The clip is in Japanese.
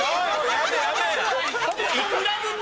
やめやめ！